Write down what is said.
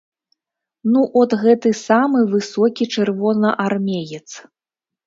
Ну от гэты самы высокі чырвонаармеец.